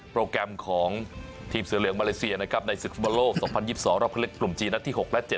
โปรแกรมของทีมเสือเหลืองมาเลเซียนะครับในศึกฟุตบอลโลก๒๐๒๒รอบคันเล็กกลุ่มจีนนัดที่๖และ๗